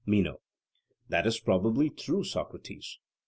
MENO: That is probably true, Socrates.